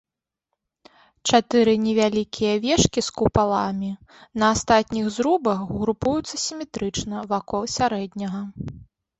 Чатыры невялікія вежкі з купаламі на астатніх зрубах групуюцца сіметрычна вакол сярэдняга.